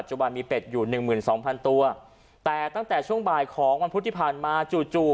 จุบันมีเป็ดอยู่๑๒๐๐๐ตัวแต่ตั้งแต่ช่วงบ่ายของวันพฤษภัณฑ์มาจู่